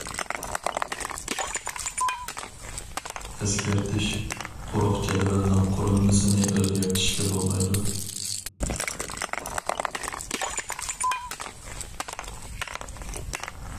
ئەسكەرتىش: قۇرۇق جەدۋەلنىڭ قۇرۇلمىسىنى ئۆزگەرتىشكە بولمايدۇ.